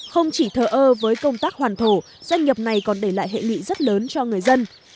không chỉ thở ơ với công tác hoàn thổ doanh nghiệp này còn để lại hệ lụy rất lớn cho người dân